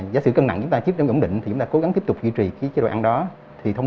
giả sử cân nặng chúng ta chấp nhận ổn định thì chúng ta cố gắng tiếp tục duy trì cái đồ ăn đó thì thông